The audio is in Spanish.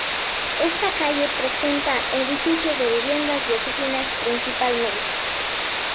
Esta calle presenta edificios de viviendas y oficinas principalmente.